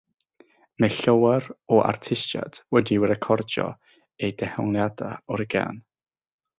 Mae llawer o artistiaid wedi recordio eu dehongliadau o'r gân.